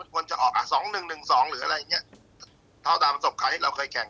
มันควรจะออก๒๑๑๒หรืออะไรอย่างเงี้ยเท่าตามประสบความที่เราเคยแข่ง